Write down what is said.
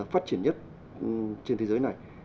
phát triển nhất trên thế giới này